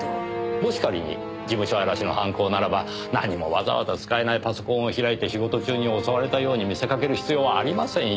もし仮に事務所荒らしの犯行ならば何もわざわざ使えないパソコンを開いて仕事中に襲われたように見せかける必要はありませんよ。